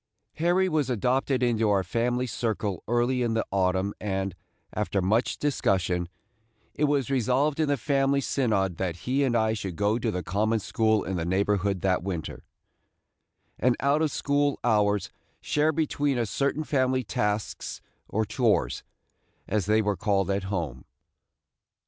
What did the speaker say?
Harry was adopted into our family circle early in the autumn and, after much discussion, it was resolved in the family synod that he and I should go to the common school in the neighborhood that winter, and out of school hours share between us certain family tasks or "chores," as they were called at home.